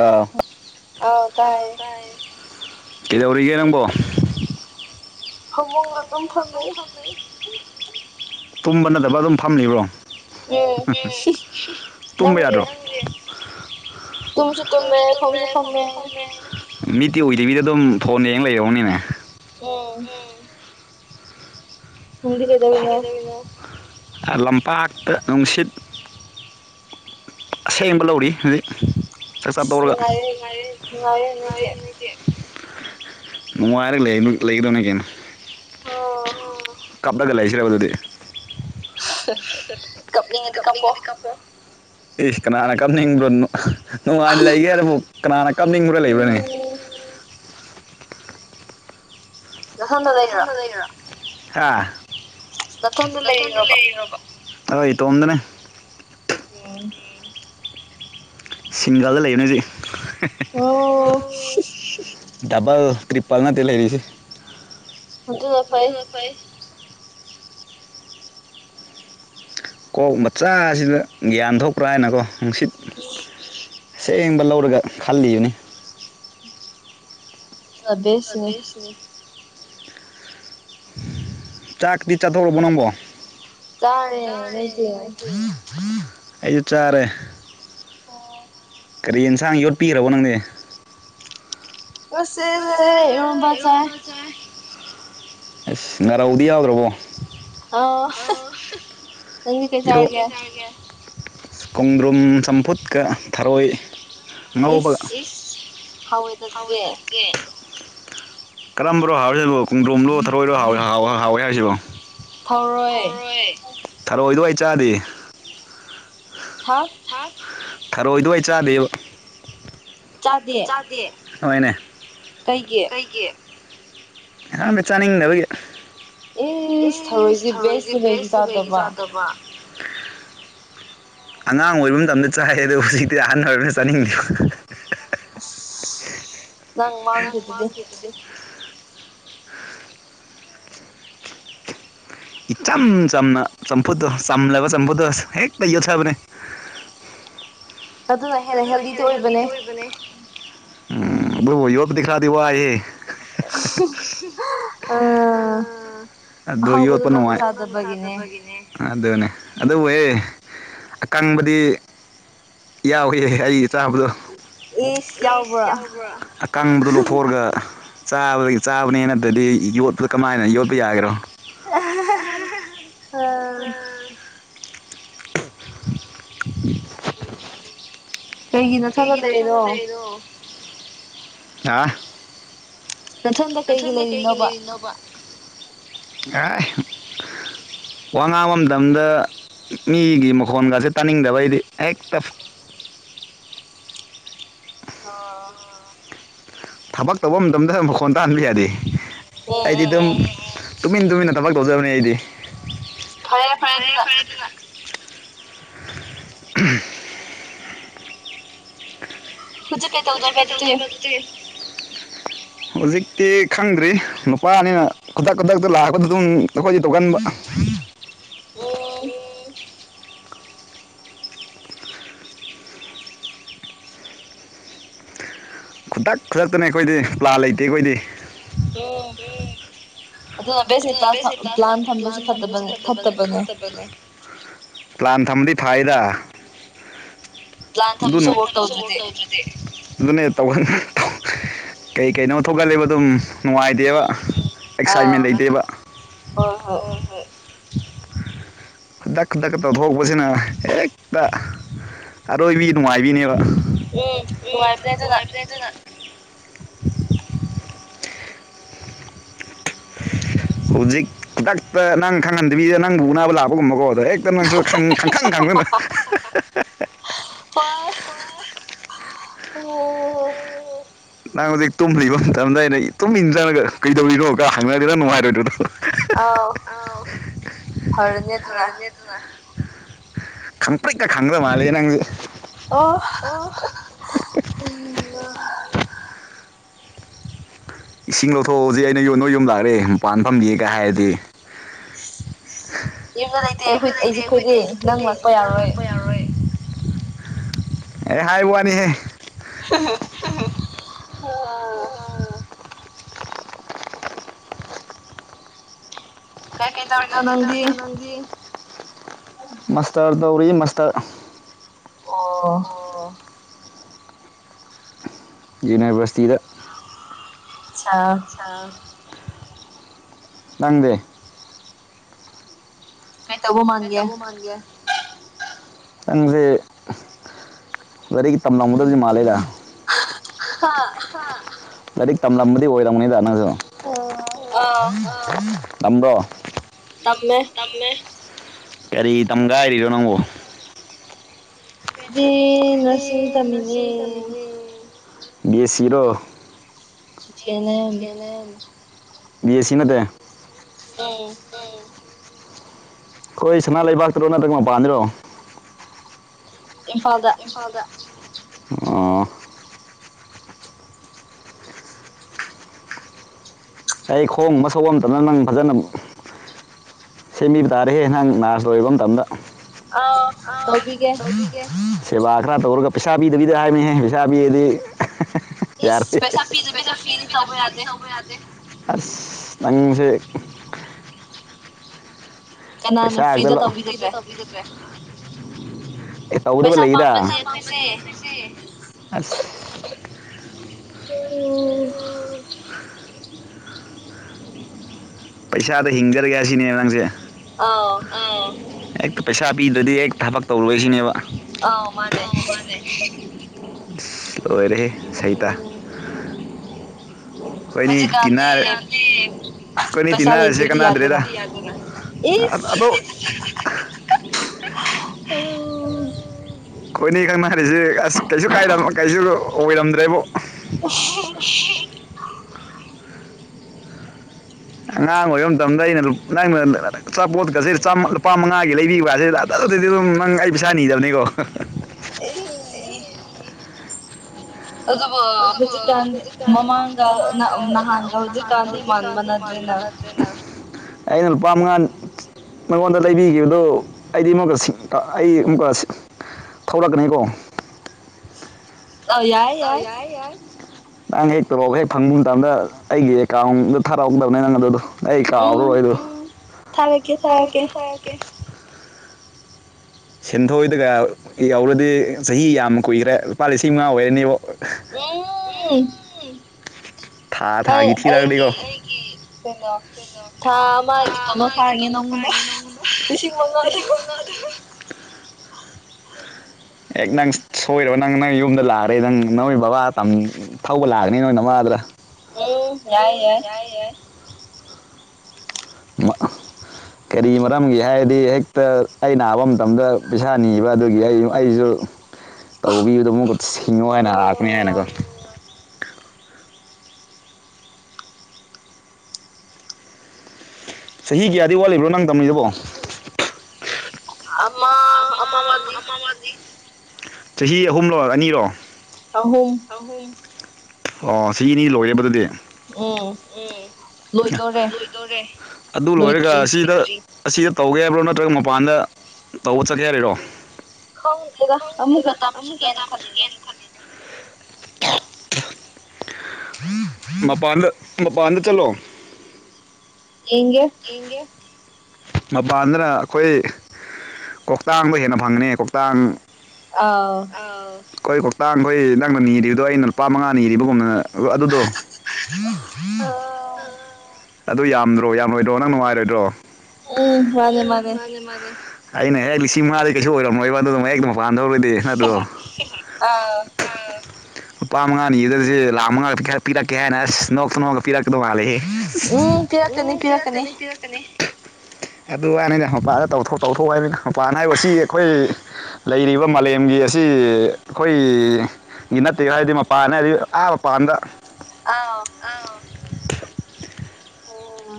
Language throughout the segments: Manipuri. ꯑꯥ ꯑꯧ ꯇꯥꯏꯌꯦ ꯀꯩꯗꯧꯔꯤꯒꯦ ꯅꯪꯕꯣ ꯐꯃꯨꯡꯗ ꯑꯗꯨꯝ ꯐꯝ ꯂꯩ ꯇꯨꯝꯕ ꯅꯠꯇꯕ ꯑꯗꯨꯝ ꯐꯝ ꯂꯩꯕ꯭ꯔꯣ ꯇꯨꯝꯕ ꯌꯥꯗ꯭ꯔꯣ ꯇꯨꯝꯁꯨ ꯇꯨꯝꯃꯦ ꯐꯪꯁꯨ ꯐꯝꯃꯦ ꯃꯤꯠꯇꯤ ꯑꯣꯏꯗꯕꯤꯗ ꯑꯗꯨꯝ ꯐꯣꯟ ꯌꯦꯡ ꯂꯩꯔꯣꯡꯅꯦ ꯎꯝ ꯅꯪꯗꯤ ꯀꯩꯗꯩꯔꯤꯅꯣ ꯑꯥ ꯂꯝꯄꯥꯛꯇ ꯅꯨꯡꯁꯤꯠ ꯑꯁꯦꯡꯕ ꯂꯧꯔꯤ ꯍꯧꯖꯤꯛ ꯆꯥꯛꯆꯥ ꯇꯣꯛꯔꯛ ꯅꯨꯡꯉꯥꯏꯌꯦ ꯅꯨꯡꯉꯥꯏꯔꯝꯅꯤ ꯅꯨꯡꯉꯥꯏꯔ ꯂꯩꯒ ꯂꯩꯒꯗꯧꯅꯦ ꯀꯩꯅꯣ ꯍꯣ ꯀꯞꯂꯒ ꯂꯩꯁꯤꯔꯕ ꯑꯗꯨꯗꯤ ꯀꯞꯅꯤꯡꯉꯗꯤ ꯀꯞꯄꯣ ꯏꯁ ꯀꯅꯥꯅ ꯀꯞꯅꯤꯡꯕ꯭ꯔꯣ ꯅꯨ ꯅꯨꯡꯉꯥꯏꯅ ꯂꯩꯒꯦ ꯍꯥꯏꯔꯕꯨ ꯀꯅꯥꯅ ꯀꯞꯅꯤꯡꯕ꯭ꯔꯥ ꯂꯩꯕ꯭ꯔꯥꯅꯦ ꯑꯣ ꯅꯊꯟꯗ ꯂꯩꯔꯤꯔꯣ ꯍꯥ ꯅꯇꯣꯟꯗ ꯂꯩꯔꯤꯔꯕ [unintelligible] ꯏꯇꯣꯝꯇꯅꯦ [unintelligible] ꯁꯤꯡꯒꯜꯗ ꯂꯩꯕꯅꯦ ꯍꯧꯖꯤꯛ ꯗꯕꯜ ꯇ꯭ꯔꯤꯄꯜ ꯅꯠꯇꯦ ꯂꯩꯔꯤꯖꯦ ꯑꯗꯨꯅ ꯐꯩ ꯐꯩ ꯀꯣꯛ ꯃꯆꯥꯁꯤꯗ ꯒ꯭ꯌꯥꯟ ꯊꯣꯛꯄ꯭ꯔꯥ ꯍꯥꯏꯅꯀꯣ ꯅꯨꯡꯁꯤꯠ ꯏꯁ ꯑꯁꯦꯡꯕ ꯂꯧꯔꯒ ꯈꯜꯂꯤꯕꯅꯤ [inaudible] [unintelligible] ꯆꯥꯛꯗꯤ ꯆꯥꯗꯣꯔꯕꯣ ꯅꯪꯕꯣ ꯆꯥꯔꯦ ꯅꯣꯏꯗꯤ ꯑꯩꯁꯨ ꯆꯥꯔꯦ ꯑꯣ ꯀꯔꯤ ꯏꯟꯁꯥꯡ ꯌꯣꯠꯄꯤꯔꯕꯣ ꯅꯪꯗꯤ ꯉꯁꯤꯖꯦ ꯏꯔꯣꯝꯕ ꯆꯥꯏ ꯑꯁ ꯉꯥꯔꯧꯗꯤ ꯌꯥꯎꯗ꯭ꯔꯥꯕꯣ ꯑꯥꯎ ꯏꯔꯣ ꯀꯩ ꯆꯥꯔꯒꯦ ꯈꯣꯡꯗ꯭ꯔꯨꯝ ꯆꯝꯐꯨꯠꯀ ꯊꯔꯣꯏ ꯉꯧꯕꯒ ꯏꯁ‌ ꯍꯥꯎꯏ‌ ꯑꯗꯨꯗꯤ ꯀꯔꯝꯕꯔꯣ ꯍꯥꯎꯔꯦꯕꯣ ꯈꯣꯡꯗ꯭ꯔꯨꯝꯂꯣ ꯊꯔꯣꯏꯔꯣ ꯍꯥꯎꯋꯦ ꯍꯥꯎ ꯍꯥꯎꯋꯦ ꯍꯥꯏꯁꯤꯕꯣ ꯊꯔꯣꯏ ꯊꯔꯣꯏ ꯗꯣ ꯑꯩ ꯆꯥꯗꯤ [unintelligible] [unintelligible] ꯊꯔꯣꯏꯗꯣ ꯑꯩ ꯆꯥꯗꯦꯕ ꯆꯥꯗꯤꯌ‌ꯦ ꯆꯥꯗꯤꯌ‌ꯦ ꯍꯣꯏꯅꯦ ꯀꯩꯒꯤ ꯀꯩꯒꯤ ꯈꯪꯗꯦ ꯆꯥꯅꯤꯡꯗꯕꯒꯤ ꯏꯁ ꯊꯔꯣꯏꯗꯤ ꯕꯦꯁ ꯇꯨꯅ‌ꯦ ꯒꯤ ꯆꯥꯗꯕ ꯑꯉꯥꯡ ꯑꯣꯏꯕ ꯃꯇꯝꯗ ꯆꯥꯏ ꯑꯗꯨ ꯍꯨꯖꯤꯛꯇꯤ ꯑꯍꯟ ꯑꯣꯏꯕꯩꯔ ꯆꯥꯅꯤꯡꯗꯦ ꯑꯁ ꯅꯪ ꯃꯥꯡꯈꯤꯗꯨꯗꯤ [unintelligible] ꯏꯆꯝ ꯆꯝꯅ ꯆꯝꯐꯨꯠꯗꯣ ꯆꯝꯂꯕ ꯆꯝꯐꯨꯠꯗꯣ ꯍꯦꯛꯇ ꯌꯣꯠꯊꯕꯅꯦ ꯑꯗꯨꯅ ꯍꯦꯟꯅ ꯍꯦꯜꯗꯤꯗꯤ ꯑꯣꯏꯕꯅꯦ ꯕꯅꯦ ꯎꯝ [unintelligible] ꯌ‌ꯣꯠꯄꯗꯤ ꯈꯔꯗꯤ ꯋꯥꯍꯦ [unintelligible] [unintelligible] ꯑꯗꯨ ꯌꯣꯠꯄ ꯅꯨꯡꯉꯥꯏ ꯑꯗꯨ ꯅꯪ‌ꯅ ꯆꯥꯗ ꯕꯒꯤꯅ‌ꯦ ꯑꯗꯨꯅꯦ ꯑꯗꯨꯕꯨꯍꯦ ꯑꯀꯪꯕꯗꯤ ꯌꯥꯎ ꯑꯩꯒꯤ ꯆꯥꯕꯗꯣ ꯏꯁ ꯌꯥꯎꯕꯔ‌ꯣ ꯑꯀꯪꯕꯗꯣ ꯂꯧꯊꯣꯑꯔꯒ ꯆꯥꯕꯒꯤ ꯆꯥꯕꯅꯦ ꯅꯠꯇꯗꯤ ꯌꯣꯠꯄꯗ ꯀꯃꯥꯏꯅ ꯌꯣꯠꯄ ꯌꯥꯒꯦꯔꯣ [unintelligible] ꯑꯥ [inaudible] ꯀꯩꯒꯤ ꯅꯊꯜꯗ ꯂꯩꯔꯤꯅꯣ [unintelligible] ꯅꯊꯟꯗ ꯀꯩꯒꯤ ꯂꯩꯔꯤꯅꯣꯕ [unintelligible] ꯋꯥ ꯉꯥꯡꯕ ꯃꯇꯝꯗ ꯃꯤꯒꯤ ꯃꯈꯣꯟꯒꯥꯖ‌ꯦ ꯇꯥꯅꯤꯡꯗꯕ ꯑꯩꯗꯤ ꯍꯦꯛꯇꯕ ꯑꯣ ꯊꯕꯛ ꯇꯧꯕ ꯃꯇꯝꯗ ꯃꯈꯣꯟ ꯇꯥꯍꯟꯕ ꯌꯥꯗꯦ ꯑꯩꯗꯤ ꯗꯨꯝ ꯇꯨꯃꯤꯟ ꯇꯨꯃꯤꯟꯅ ꯊꯕꯛ ꯇꯧꯖꯕꯅ‌ꯦ ꯑꯩꯗꯤ ꯐꯔ‌ꯦ ꯐꯔꯦ ꯑꯗꯨꯅ ꯍꯨꯖꯤꯛ ꯀꯩ ꯇꯧꯗꯣꯏꯕ ꯑꯗꯨꯗꯤ [unintelligible] ꯍꯨꯖꯤꯛꯇꯤ ꯈꯪꯗ꯭ꯔꯤ ꯅꯨꯄꯥꯅꯤꯅ ꯈꯨꯗꯛ ꯈꯨꯗꯛꯇ ꯂꯥꯛꯄꯗꯨ ꯗꯨꯝ ꯅꯈꯣꯏꯗꯤ ꯇꯧꯒꯟꯕ [unintelligible] [inaudible] ꯈꯨꯗꯛ ꯈꯨꯗꯛꯇꯅ‌ꯦ ꯑꯩꯈꯣꯏꯗꯤ ꯄ꯭ꯂꯥꯟ ꯂꯩꯇꯦ ꯑꯩꯒ‌ꯣꯏꯗꯤ ꯗ‌ꯣ ꯑꯗꯨꯅ ꯕꯦꯁ ꯅꯤ ꯄꯂꯥꯁ ꯊꯝ ꯄ꯭ꯂꯥꯟ ꯊꯝꯕꯁꯨ ꯐꯠꯇꯕꯅꯦ ꯐꯠꯇꯕꯅꯦ ꯕꯅ‌ꯦ ꯄ꯭ꯂꯥꯟ ꯊꯝꯕꯗꯤ ꯐꯥꯏꯗ [unintelligible] ꯅꯪ ꯁꯨ ꯋꯔꯥꯛ ꯇꯧꯔꯗꯤ ꯑꯗꯨꯅꯦ ꯇꯧꯍꯟ [unintelligible] ꯀꯩ ꯀꯩꯅꯣ ꯊꯣꯛꯒꯜꯂꯦꯕ ꯗꯨꯝ ꯅꯨꯡꯉꯥꯏꯗ‌ꯦꯕ ꯑꯦꯛꯁꯥꯏꯃꯦꯟ ꯂꯩꯇꯦꯕ ꯍꯣꯏ ꯍꯣꯏ ꯍꯣꯏ ꯈꯨꯗꯛ ꯈꯨꯗꯛ ꯇꯧꯊꯣꯛꯄꯁꯤꯅ ꯍꯦꯛꯇ ꯑꯔꯣꯏꯕꯤ ꯅꯨꯡꯉꯥꯏꯕꯤꯅꯦꯕ ꯎꯝ ꯅꯨꯡꯉꯥꯏꯕꯅꯦ ꯑꯗꯨꯅ ꯑꯗꯨꯅ ꯍꯧꯖꯤꯛ ꯈꯨꯗꯛꯇ ꯅꯪ ꯈꯪꯍꯟꯗꯕꯤꯗ ꯅꯪꯕꯨ ꯎꯅꯥꯕ ꯂꯥꯛꯄꯒꯨꯝꯕꯀꯣ ꯍꯦꯛꯇꯥ ꯅꯪꯁꯨ ꯈꯪ ꯈꯡꯈꯪ ꯈꯪꯗꯅꯥ ꯎꯝ ꯅꯪ ꯍꯧꯖꯤꯛ ꯇꯨꯝꯂꯤꯕ ꯃꯇꯝꯗ ꯑꯩꯅ ꯇꯨꯝꯃꯤꯟ ꯆꯪꯂꯥꯒ ꯀꯩꯗꯧꯔꯤꯅꯣ ꯍꯪꯅꯔꯗꯤ ꯅꯪ ꯅꯨꯡꯉꯥꯏꯔꯣꯏꯗ꯭ꯔꯣ ꯑꯗꯣ ꯑꯥꯎ ꯐꯔꯅꯤ ꯑꯗꯨꯅ ꯈꯪꯄ꯭꯭ꯔꯦꯛꯀ ꯈꯪꯗꯧ ꯃꯥꯂꯦꯍꯦ ꯅꯪꯖꯦ ꯑꯣ ꯎꯝ ꯏꯁꯤꯡ ꯂꯧꯊꯣꯛꯑꯣ ꯍꯣꯖꯤꯛ ꯑꯩꯅ ꯅꯣꯏ ꯌꯨꯝ ꯂꯥꯛꯔꯦ ꯃꯄꯥꯟ ꯐꯝꯔꯤꯌꯦ ꯀꯥꯏ ꯍꯥꯏꯔꯗꯤ ꯏꯁ ꯌꯨꯝꯗ ꯂꯩꯇꯦ ꯍꯨꯏꯠ ꯑꯩꯁꯦ ꯑꯩꯈꯣꯏꯗꯤ ꯅꯪ ꯂꯥꯛꯄ ꯌꯥꯔꯣꯏ ꯑꯦ ꯍꯥꯏ ꯋꯥꯅꯤꯍꯦ ꯍꯦ ꯍꯦ ꯑꯥ ꯀꯩ ꯀꯩ ꯇꯧꯔꯤꯅꯣ ꯅꯪꯗꯤ ꯃꯁꯇꯔ ꯇꯧꯔꯤꯌꯦ ꯃꯁꯇꯔ ꯑꯣ ꯌꯨꯅꯦꯔꯕꯔꯁꯇꯤꯗ ꯑꯆꯥ ꯅꯪꯗꯤ ꯀꯩ ꯇꯧꯕ ꯃꯥꯥꯟꯒꯦ ꯅꯪꯁꯦ ꯂꯥꯏꯔꯤꯛ ꯇꯝꯂꯝꯒꯗꯕꯗꯤ ꯃꯥꯂꯦꯗ ꯍꯥ ꯂꯥꯏꯔꯤꯛ ꯇꯝꯂꯝꯕꯗꯤ ꯑꯣꯏꯔꯝꯒꯅꯤꯗ ꯅꯪꯁꯨ ꯇꯝꯕ꯭ꯔꯣ ꯇꯝꯃꯦ ꯇꯝꯃꯦ ꯀꯔꯤ ꯇꯝꯒꯥꯏꯔꯤꯅꯣ ꯅꯪꯕꯣ ꯑꯩꯗꯤ ꯅꯔꯁꯤꯡ ꯇꯝꯃꯤꯅꯦ ꯕꯤ ꯑꯦꯁ ꯁꯤꯔꯣ ꯕꯤ ꯑꯦꯁ ꯁꯤ ꯅꯠꯇꯦ ꯎꯝ ꯑꯩꯈꯣꯏ ꯁꯅꯥ ꯂꯩꯕꯥꯛꯇꯔꯣ ꯅꯠꯇ꯭ꯔꯒ ꯃꯄꯥꯟꯗꯔꯣ ꯏꯝꯐꯥꯜꯗ ꯑꯣ ꯑꯩ ꯈꯣꯡꯒꯨꯝꯕ ꯁꯣꯛꯄ ꯃꯇꯝꯗ ꯅꯪ ꯐꯖꯅ ꯁꯦꯝꯕꯤꯕ ꯇꯥꯔꯦꯍꯦ ꯅꯪ ꯅꯥꯔꯁ ꯂꯣꯏꯕ ꯃꯇꯝꯗ ꯑꯧ ꯇꯧꯕꯤꯒꯦ ꯁꯦꯕꯥ ꯈꯔ ꯇꯧꯔꯒ ꯄꯩꯁꯥ ꯄꯤꯗꯕꯤꯗ ꯍꯥꯏꯕꯥꯅꯦꯍꯦ ꯄꯩꯁꯥ ꯄꯤꯔꯗꯤ ꯍꯥ ꯍꯥ ꯍꯥ ꯌꯥꯔꯦ ꯄꯩꯁꯥ ꯄꯤꯗꯕꯤꯗ ꯐ꯭ꯔꯤꯗ ꯇꯧꯕ ꯌꯥꯗꯦ ꯑꯁ ꯅꯪꯁꯦ ꯎꯝ ꯄꯩꯁꯥ ꯍꯥꯛꯇ ꯂꯧ ꯐ꯭ꯔꯤꯗ ꯇꯧꯕꯤꯗꯥꯗ꯭ꯔꯦ ꯇꯧꯒꯗꯕ ꯂꯩꯌꯦꯗ ꯄꯩꯁꯥ ꯄꯥꯝꯕꯥꯖꯦ ꯍꯧꯖꯤꯛꯁꯦ ꯑꯁ ꯎ ꯄꯩꯁꯥꯗ ꯍꯤꯡꯖꯔꯒꯦ ꯑꯁꯤꯅꯦ ꯅꯪꯁꯦ ꯑꯥꯎ ꯑꯥꯎ ꯍꯦꯛꯇ ꯄꯩꯁꯥ ꯄꯤꯗ꯭ꯔꯗꯤ ꯍꯦꯛ ꯊꯕꯛ ꯇꯧꯔꯣꯏꯁꯤꯅꯦꯕ ꯑꯧ ꯃꯥꯅꯦ ꯂꯣꯏꯔꯦꯍꯦ ꯁꯩꯇꯥ [unintelligible] ꯈꯣꯏꯅꯤ ꯇꯤꯟꯅꯔꯁꯦ ꯀꯅꯥꯗ꯭ꯔꯦꯗ ꯑꯗꯣ [unintelligible] ꯈꯣꯏꯅꯤ ꯈꯪꯅꯔꯤꯁꯦ ꯑꯁ ꯀꯩꯁꯨ ꯀꯥꯏꯗꯝ ꯑꯣ ꯀꯩꯁꯨ ꯑꯣꯏꯔꯝꯗ꯭ꯔꯦꯕꯣ [inaudible] ꯑꯉꯥꯡ ꯑꯣꯏꯕ ꯃꯇꯝꯗ ꯑꯩꯅ ꯂꯨꯞ ꯅꯪꯅ ꯑꯆꯥꯄꯣꯠ ꯀꯥꯖꯦ ꯆꯝꯃꯥ ꯂꯨꯄꯥ ꯃꯉꯥꯒꯤ ꯂꯩꯕꯤꯕꯒꯥꯁꯦ ꯑꯗꯨꯗꯗꯤ ꯗꯨꯝ ꯅꯪ ꯑꯩ ꯄꯩꯁꯥ ꯅꯤꯗꯕꯅꯤꯀꯣ [unintelligible] ꯑꯗꯨꯕꯨ ꯍꯨꯖꯤꯛꯀꯥꯟꯗꯤ ꯃꯃꯥꯡꯒ ꯅꯥ ꯅꯍꯥꯟꯒ ꯍꯧꯖꯤꯛꯀꯥꯟꯗꯤ ꯃꯥꯟ ꯃꯥꯟꯅꯗ꯭ꯔꯦꯅ ꯑꯩꯅ ꯂꯨꯄꯥ ꯃꯉꯥꯟ ꯃꯉꯣꯟꯗ ꯂꯩꯕꯤꯈꯤꯕꯗꯣ ꯑꯩꯗꯤ ꯑꯃꯨꯛꯀ ꯁꯤꯛ ꯑꯥ ꯑꯩ ꯑꯃꯨꯛꯀ ꯁꯤꯛ ꯊꯧꯔꯒꯅꯦꯀꯣ ꯑꯣ ꯌꯥꯏ ꯑꯣ ꯌꯥꯏ ꯌꯥꯏ ꯅꯪꯒꯤ ꯇꯣꯂꯣꯞ ꯍꯦꯛ ꯐꯪꯕ ꯃꯇꯝꯗ ꯑꯩꯒꯤ ꯑꯦꯀꯥꯎꯟꯗ ꯊꯥꯔꯛꯎꯗꯝꯅꯦ ꯅꯪ ꯑꯗꯨꯗꯣ ꯑꯩ ꯀꯥꯎꯔꯔꯣꯏ ꯗꯣ ꯎꯝ ꯊꯥꯔꯛꯀꯦ ꯊꯥꯔꯛꯀꯦ ꯁꯦꯟꯊꯣꯏꯗꯨꯒ ꯌꯥꯎꯔꯗꯤ ꯆꯍꯤ ꯌꯥꯝ ꯀꯨꯏꯔꯦ ꯂꯨꯄꯥ ꯂꯤꯁꯤꯡ ꯃꯉꯥ ꯑꯣꯏꯔꯅꯤꯕꯣ [unintelligible] ꯑꯩ ꯑꯩꯒꯤ ꯀꯩꯅꯣ ꯊꯥꯝ ꯃꯥꯒꯤ ꯇꯣꯂꯣꯞ ꯊꯥꯔꯒꯦ ꯅꯪꯉꯣꯟꯗ ꯂꯤꯁꯤꯡ ꯃꯉꯥꯗꯨ ꯍꯦꯛ ꯅꯪ ꯁꯣꯏꯔꯕ ꯅꯪ ꯅꯪ ꯌꯨꯝꯗ ꯂꯥꯛꯑꯔꯦ ꯅꯪ ꯅꯣꯏ ꯕꯕꯥ ꯇꯝꯅ ꯊꯧꯕ ꯂꯥꯛꯅꯤ ꯅꯣꯏ ꯅꯃꯥꯗꯨꯗ ꯑꯣ ꯌꯥꯏ ꯌꯥꯏ [inaudible] ꯀꯔꯤ ꯃꯔꯝꯒꯤ ꯍꯥꯏꯔꯗꯤ ꯍꯦꯛꯇ ꯑꯩ ꯅꯥꯕ ꯃꯇꯝꯗ ꯄꯩꯁꯥ ꯅꯤꯕ ꯑꯗꯨꯒꯤ ꯑꯩꯖꯨ ꯑꯩꯖꯨ ꯇꯧꯕꯤꯕꯗꯣ ꯑꯃꯨꯛꯀ ꯁꯤꯡꯉꯣ ꯍꯥꯏꯅ ꯂꯥꯛꯄꯅꯦ ꯍꯥꯏꯅꯀꯣ ꯆꯍꯤ ꯀꯌꯥꯗꯤ ꯋꯥꯠꯂꯤꯕ꯭ꯔꯣ ꯅꯪ ꯇꯝꯃꯤꯗꯨꯕꯣ ꯑꯝꯃꯥ ꯑꯝ ꯑꯃ ꯋꯥꯠꯂꯤ ꯆꯍꯤ ꯑꯍꯨꯝꯂꯣ ꯑꯅꯤꯔꯣ ꯑꯍꯨꯝ ꯑꯍꯨꯝ ꯑꯣ ꯆꯍꯤ ꯑꯅꯤ ꯂꯣꯏꯔꯦꯕ ꯗꯨꯗꯤ ꯎꯝ ꯂꯣꯏꯗꯣꯔꯦ ꯑꯗꯨ ꯂꯣꯏꯔꯒ ꯑꯁꯤꯗ ꯑꯁꯤꯗ ꯇꯧꯒꯦ ꯍꯥꯏꯕ꯭ꯔꯣ ꯅꯠꯇ꯭ꯔꯒ ꯃꯄꯥꯟꯗ ꯇꯧꯕ ꯆꯠꯀꯦ ꯍꯥꯏꯔꯤꯔꯣ ꯈꯪꯗꯦꯗ ꯑꯃꯨꯛꯀ ꯇꯝꯈꯤꯒꯦꯅ ꯈꯜꯂꯤꯅꯦ ꯃꯄꯥꯟꯗ ꯃꯄꯥꯟꯗ ꯆꯠꯂꯣ ꯌꯦꯡꯒꯦ ꯌꯦꯡꯒꯦ ꯃꯄꯥꯟꯗꯅ ꯑꯩꯈꯣꯏ ꯀꯣꯛꯇꯥꯡꯕ ꯍꯦꯟꯅ ꯐꯪꯒꯅꯤ ꯀꯣꯛꯇꯥꯡ ꯑꯥꯎ [unintelligible] ꯈꯣꯏ ꯀꯣꯛꯇꯥꯡ ꯈꯣꯏ ꯅꯪꯅ ꯅꯤꯔꯤꯗꯣ ꯑꯩꯅ ꯂꯨꯄꯥ ꯃꯉꯥ ꯅꯤꯔꯤꯕꯒꯨꯝꯅ ꯑꯗꯨꯗꯣ ꯑꯥ ꯑꯗꯨ ꯌꯥꯝꯗ꯭ꯔꯣ ꯌꯥꯝꯔꯣꯏꯗ꯭ꯔꯣ ꯅꯪ ꯅꯨꯡꯉꯥꯏꯔꯣꯏꯗ꯭ꯔꯣ ꯎꯝ ꯃꯥꯅꯦ ꯃꯥꯅꯦ [unintelligible] ꯑꯩꯅ ꯍꯦꯛ ꯂꯤꯁꯤꯡ ꯃꯉꯥꯗꯤ ꯀꯩꯁꯨ ꯑꯣꯏꯔꯝꯃꯣꯏꯕ ꯑꯗꯨꯒꯨꯝꯕ ꯃꯌꯦꯛꯇꯣ [unintelligible] ꯅꯠꯇ꯭ꯔꯣ [unintelligible] ꯂꯨꯄꯥ ꯃꯉꯥ ꯅꯤꯒꯗꯕꯖꯦ ꯂꯥꯛ ꯃꯉꯥ ꯈꯔ ꯄꯤꯔꯛꯀꯦ ꯍꯥꯏꯅ ꯑꯁ ꯅꯣꯛꯇꯨ ꯅꯣꯛꯑꯒ ꯄꯤꯔꯛꯀꯗꯧ ꯃꯥꯜꯂꯦꯍꯦ ꯎꯝ ꯄꯤꯔꯛ ꯄꯤꯔꯛꯀꯅꯤ ꯄꯤꯔꯛꯀꯅꯤ ꯑꯗꯨ ꯋꯥꯅꯤꯗ ꯃꯄꯥꯗ ꯇꯧꯊꯣꯛ ꯇꯧꯊꯣꯛ ꯍꯥꯏꯔꯒ ꯃꯄꯥꯟ ꯍꯥꯏꯕꯁꯤ ꯑꯈꯣꯏ ꯂꯩꯔꯤꯕ ꯃꯥꯂꯦꯝꯒꯤ ꯑꯁꯤ ꯑꯈꯣꯏ ꯒꯤ ꯅꯠꯇꯦ ꯍꯥꯏꯗꯤ ꯃꯄꯥꯟ ꯍꯥꯏꯗꯤ ꯑꯥ ꯃꯄꯥꯟꯗ ꯑꯥꯎ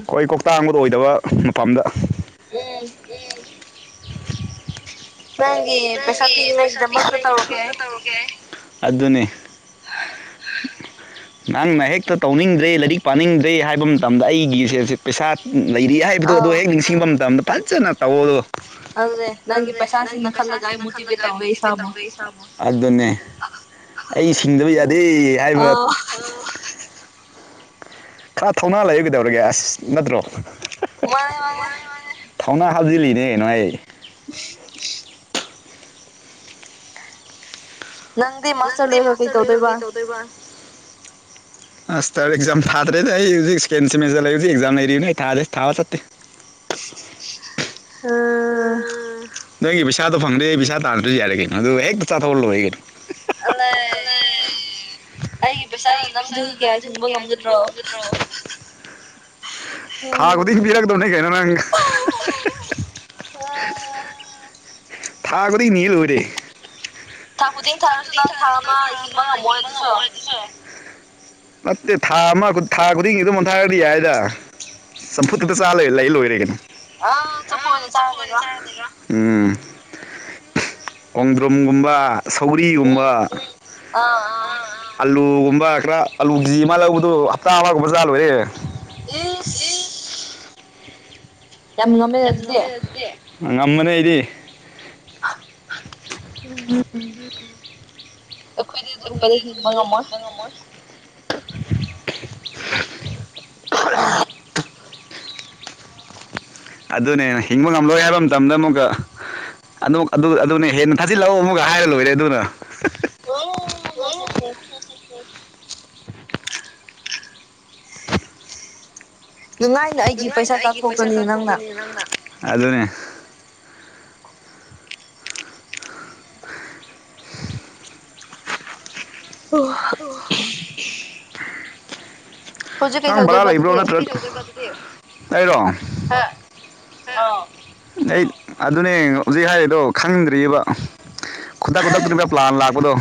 ꯑꯈꯣꯏ ꯀꯣꯛꯇꯥꯡꯕꯗꯣ ꯑꯣꯏꯗꯕ ꯃꯐꯝꯗ ꯎꯝ ꯅꯡꯒꯤ ꯅꯪꯒꯤ ꯄꯩꯁꯥ ꯄꯤꯅꯤꯉꯥꯢ ꯊꯕꯛꯇꯨ ꯇꯧꯔꯒꯦ ꯑꯩ ꯑꯗꯨꯅꯤ ꯅꯪꯅ ꯍꯦꯛꯇ ꯇꯧꯅꯤꯡꯗ꯭ꯔꯦ ꯂꯥꯏꯔꯤꯛ ꯄꯥꯅꯤꯡꯗ꯭ꯔꯦ ꯍꯥꯏꯕ ꯃꯇꯝꯗ ꯑꯩꯒꯤ ꯁꯦꯜꯁꯤ ꯄꯩꯁꯥ ꯂꯩꯔꯤ ꯍꯥꯏꯕꯗꯣ ꯑꯗꯣ ꯍꯦꯛ ꯅꯤꯡꯁꯤꯡꯕ ꯃꯇꯝꯗ ꯐꯖꯅ ꯇꯧꯋꯣ ꯑꯗꯣ ꯑꯗꯨꯅꯦ ꯅꯪꯒꯤ ꯄꯩꯁꯥꯁꯤꯅ ꯄꯩꯁꯥ ꯁꯤꯡꯕ ꯈꯜꯂꯒ ꯑꯩ ꯃꯣꯇꯤꯚꯦꯠ ꯇꯧꯔꯦ ꯏꯁꯥꯕꯨ ꯑꯗꯨꯅꯦ ꯑꯩ ꯁꯤꯡꯗꯕ ꯌꯥꯗꯦ ꯍꯥꯏꯕ ꯈꯔ ꯊꯧꯅꯥ ꯂꯩꯌꯨ ꯀꯩꯗꯧꯔꯒꯦ ꯑꯁ ꯅꯠꯇ꯭ꯔꯣ ꯃꯥꯅꯤ ꯃꯥꯅꯤ ꯊꯥꯎꯅ ꯍꯥꯞꯖꯤꯜꯂꯤꯅꯦ ꯅꯣꯏ [unintelligible] ꯅꯪꯗꯤ ꯃꯥꯁꯇꯔ ꯂꯣꯏꯔꯒ ꯀꯩ ꯇꯧꯗꯣꯏꯕ ꯗꯣꯢꯕꯥ ꯃꯥꯁꯇꯔ ꯑꯦꯛꯖꯥꯝ ꯊꯥꯗ꯭ꯔꯦꯗꯥ ꯑꯩ ꯍꯨꯖꯤꯛ ꯁꯤꯀꯦꯟ ꯁꯤꯃꯤꯖꯗ ꯂꯩꯕꯖꯤ ꯑꯦꯛꯖꯥꯝ ꯂꯩꯔꯤꯕꯅꯤ ꯑꯩ ꯊꯥꯗꯦ ꯊꯥꯕ ꯆꯠꯇꯦ ꯎꯝ ꯅꯣꯢꯒꯤ ꯄꯩꯁꯥꯗꯣ ꯐꯪꯉꯗꯤ ꯄꯩꯁꯥ ꯇꯥꯟꯗ꯭ꯔꯁꯨ ꯌꯥꯔꯦ ꯀꯩꯅꯣ ꯑꯗꯨ ꯍꯦꯛꯇ ꯆꯥꯊꯣꯛꯑ ꯂꯣꯏꯔꯦ ꯀꯩꯅꯣ ꯑꯅꯦ ꯑꯩꯒꯤ ꯄꯩꯁꯥꯅ ꯅꯪ ꯆꯍꯤ ꯀ꯭ꯌꯥ ꯍꯤꯡꯕ ꯉꯝꯒꯗ꯭ꯔꯣ ꯊꯥ ꯈꯨꯗꯤꯡ ꯄꯤꯔꯛꯒꯗꯧꯅꯦ ꯀꯩꯅꯣ ꯅꯪ [unintelligible] [unintelligible] ꯥꯥꯊꯥ ꯈꯨꯗꯤꯡ ꯅꯤꯔ ꯂꯣꯏꯔꯦ ꯊꯥ ꯈꯨꯗꯤꯡ ꯊꯥꯔꯁꯨ ꯅꯪ ꯊꯥ ꯑꯃ ꯍꯤꯡꯕ ꯉꯝꯃꯣꯏ ꯑꯗꯨꯁꯨ ꯅꯠꯇꯦ ꯊꯥ ꯑꯃ ꯊꯥ ꯈꯨꯗꯤꯡꯒꯤ ꯑꯗꯨꯝ ꯑꯃ ꯊꯥꯔꯗꯤ ꯌꯥꯏꯗ ꯆꯝꯐꯨꯠꯇꯗꯥ ꯆꯥ ꯂꯩꯔ ꯂꯩ ꯂꯣꯏꯔꯦ ꯀꯩꯅꯣ ꯑꯥ ꯆꯝꯐꯨꯠ ꯑꯣꯏꯅ ꯆꯥꯔ ꯂꯩꯔꯣ ꯎꯝ ꯈꯣꯡꯗ꯭ꯔꯨꯝꯒꯨꯝꯕ ꯁꯧ ꯒ꯭ꯔꯤꯒꯨꯝꯕ [unintelligible] ꯑꯥꯂꯒꯨꯝꯕ ꯈ꯭ꯔ ꯑꯂꯨ ꯀꯦ ꯖꯤ ꯑꯃ ꯂꯧꯕꯗꯨ ꯍꯞꯇꯥ ꯑꯃꯒꯨꯝꯕ ꯆꯥꯔꯂꯣꯏꯔꯦ ꯏꯁ ꯌꯥꯝ ꯉꯝꯃꯦ ꯑꯗꯨꯗꯤ ꯉꯝꯕꯅꯤ ꯑꯩꯗꯤ ꯎꯝ ꯑꯩꯈꯣꯏꯗꯤ ꯑꯗꯨꯒꯨꯝꯕꯗꯨ ꯍꯤꯡꯕ ꯉꯝꯃꯣꯏ ꯉꯝꯃꯣꯢ [unintelligible] [unintelligible] ꯑꯗꯨꯅꯦ ꯍꯤꯡꯕ ꯉꯝꯂꯣꯏ ꯍꯥꯏꯕ ꯃꯇꯝꯗ ꯑꯃꯨꯛꯀ ꯑꯗꯨ ꯑꯗꯨ ꯑꯗꯨꯅꯦ ꯍꯦꯟꯅ ꯊꯥꯖꯤꯜꯂꯑꯣ ꯑꯃꯒ ꯍꯥꯏꯔ ꯂꯣꯏꯔꯦ ꯑꯗꯨꯅ [unintelligible] ꯔꯣꯡꯅ ꯆꯠꯈ꯭ꯔꯦ [unintelligible] ꯅꯨꯡꯉꯥꯏꯅ ꯑꯩꯒꯤ ꯄꯩꯁꯥ ꯆꯥꯊꯣꯛꯄꯅꯤ ꯅꯪꯅ ꯑꯗꯨꯅꯦ ꯑꯣ [inaudible] ꯅꯪ ꯕꯔꯥ ꯂꯩꯕ꯭ꯔꯣ ꯅꯠꯇ꯭ꯔ [unintelligible] ꯑꯩꯔꯣ ꯑꯥꯎ ꯑꯩ ꯑꯗꯨꯅꯦ ꯍꯧꯖꯤꯛ ꯍꯥꯏꯔꯤꯗꯣ ꯈꯪꯗ꯭ꯔꯤꯑꯕ ꯈꯨꯗꯛ ꯈꯨꯗꯛꯇꯗ ꯄ꯭ꯂꯥꯟ ꯂꯥꯛꯄꯗꯣ